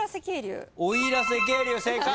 奥入瀬渓流正解！